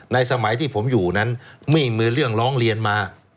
สมัยที่ผมอยู่นั้นไม่มีเรื่องร้องเรียนมา